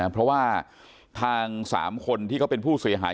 เพราะว่าทาง๓คนที่เขาเป็นผู้เสียหาย